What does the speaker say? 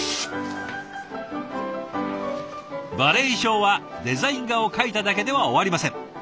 バレエ衣裳はデザイン画を描いただけでは終わりません。